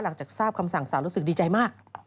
หลังจากทราบคำสั่งสาวรู้สึกดีใจมาก